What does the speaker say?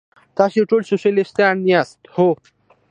تاسې ټول سوسیالیستان یاست؟ هو.